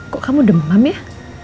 kok kamu demam ya